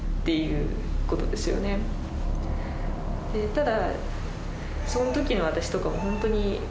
ただ。